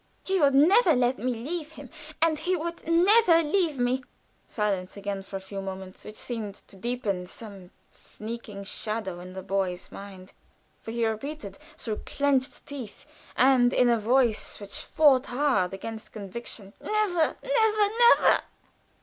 He would never let me leave him, and he would never leave me." Silence again for a few moments, which seemed to deepen some sneaking shadow in the boy's mind, for he repeated through clinched teeth, and in a voice which fought hard against conviction, "Never, never, never!"